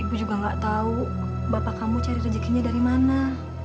ibu juga gak tahu bapak kamu cari rezekinya dari mana